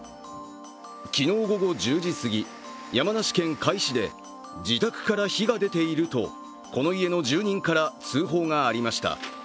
昨日午後１０時過ぎ、山梨県甲斐市で自宅から火が出ているとこの家の住人から通報がありました。